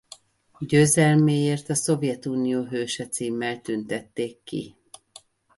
Győzelméért a Szovjetunió Hőse címmel tüntették ki.